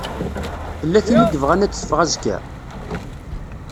Tella tin i yebɣan ad teffeɣ azekka?